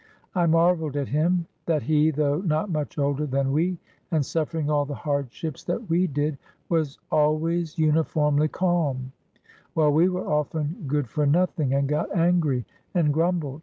I marveled at him, that he, though not much older than we, and suffering all the hardships that we did, was always uniformly calm, while we were often good for nothing and got angry and grumbled.